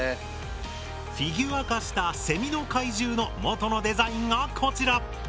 フィギュア化したセミの怪獣の元のデザインがこちら。